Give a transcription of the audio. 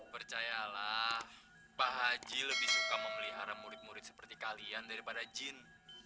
percayalah pak haji lebih suka memelihara murid murid seperti kalian daripada jin